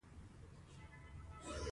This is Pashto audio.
ښکلے چې مسکې په ټيټو سترګو شي